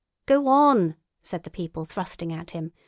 "Go on!" said the people, thrusting at him.